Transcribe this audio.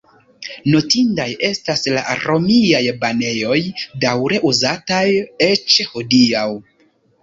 Notindaj estas la romiaj banejoj, daŭre uzataj eĉ hodiaŭ.